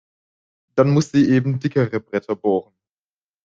Dann muss sie eben dickere Bretter bohren.